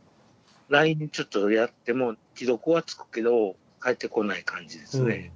ＬＩＮＥでちょっとやっても既読はつくけど返ってこない感じですね。